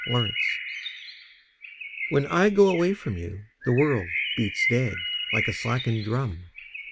The Taxi When I go away from you The world beats dead Like a slackened drum.